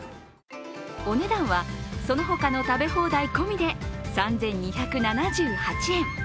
お値段はそのほかの食べ放題込みで３２８７円。